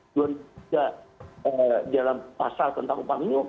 di dalam pasal tentang upah minimum